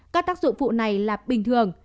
các tác dụng vụ này là bình thường